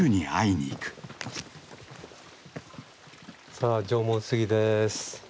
さあ縄文杉です。